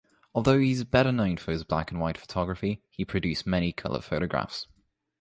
Although he is better known for his black-and-white photography, he produced many color photographs.